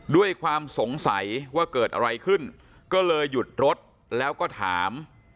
ด้วยความสงสัยว่าเกิดอะไรขึ้นก็เลยหยุดรถแล้วก็ถาม